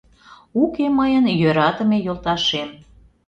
Уке мыйын йӧратыме йолташем.